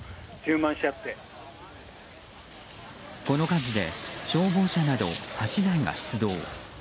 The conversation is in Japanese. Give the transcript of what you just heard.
この火事で消防車など８台が出動。